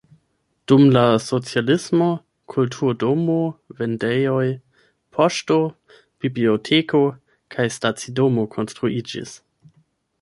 Dum la socialismo kulturdomo, vendejoj, poŝto, biblioteko kaj stacidomo konstruiĝis.